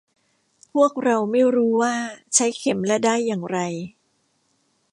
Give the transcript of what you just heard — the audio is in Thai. พวกเราไม่รู้ว่าใช้เข็มและด้ายอย่างไร